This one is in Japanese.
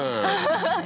ハハハ！